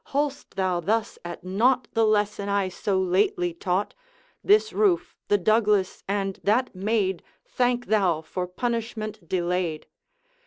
holdst thou thus at naught The lesson I so lately taught? This roof, the Douglas, and that maid, Thank thou for punishment delayed.'